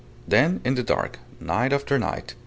Then in the dark ... Night after night